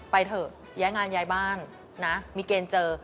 ไปเถอะย้ายงานย้ายบ้านนะมีเกณฑ์เจอ